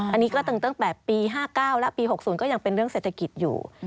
อันนี้ก็ตั้งแต่ปี๕๙และปี๖๐ก็ยังเป็นเรื่องเศรษฐกิจอยู่